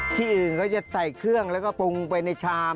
ที่อื่นก็จะใส่เครื่องแล้วก็ปรุงไปในชาม